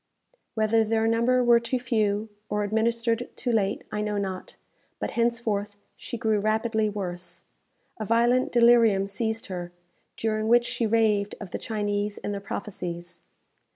Whether their number were too few, or administered too late, I know not; but henceforth she grew rapidly worse. A violent delirium seized her, during which she raved of the Chinese and their prophecies.